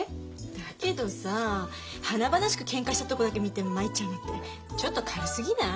だけどさあ華々しくけんかしたとこだけ見て参っちゃうなんてちょっと軽すぎない？